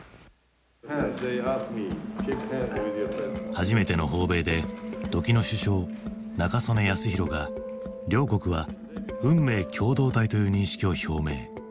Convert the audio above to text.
初めての訪米で時の首相中曽根康弘が両国は運命共同体という認識を表明。